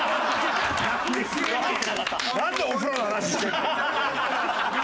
なんでお風呂の話してんだよ。